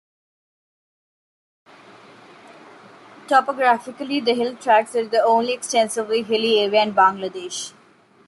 Topographically, the Hill Tracts are the only extensively hilly area in Bangladesh.